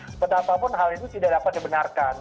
seperti apapun hal itu tidak dapat dibenarkan